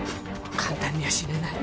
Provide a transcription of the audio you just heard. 簡単には死ねない